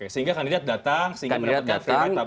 sehingga kandidat datang